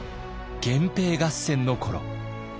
源平合戦の頃。